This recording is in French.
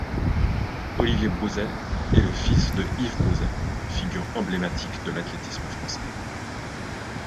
Olivier Brouzet est le fils de Yves Brouzet, figure emblématique de l'athlétisme français.